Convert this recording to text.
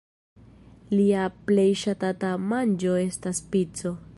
Lia plej ŝatata manĝo estas pico.